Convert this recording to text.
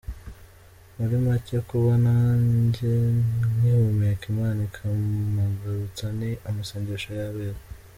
Muri macye kuba nanjye ngihumeka Imana ikampagurutsa ni amasengesho y’Abera.